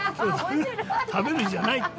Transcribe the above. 食べる日じゃないって。